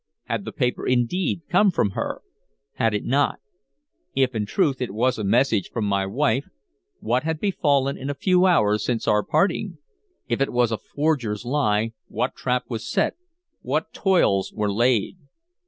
Had the paper indeed come from her? Had it not? If in truth it was a message from my wife, what had befallen in a few hours since our parting? If it was a forger's lie, what trap was set, what toils were laid?